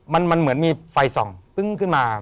มันเหมือนมีไฟส่องปึ้งขึ้นมา